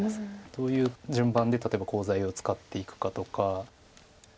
どういう順番で例えばコウ材を使っていくかとか。